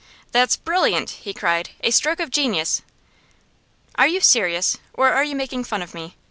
'That's brilliant!' he cried. 'A stroke of genius!' 'Are you serious? Or are you making fun of me?